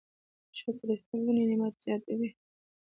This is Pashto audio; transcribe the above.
شکر ایستل ولې نعمت زیاتوي؟